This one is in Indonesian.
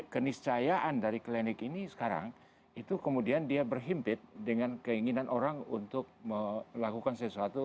keniscayaan dari klinik ini sekarang itu kemudian dia berhimpit dengan keinginan orang untuk melakukan sesuatu